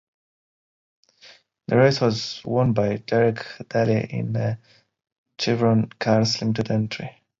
The race was won by Derek Daly in a Chevron Cars Limited entry.